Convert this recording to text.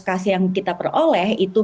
kasus yang kita peroleh itu